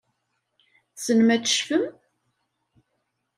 Tessnem ad tecfem?